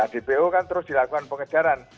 dpo kan terus dilakukan pengejaran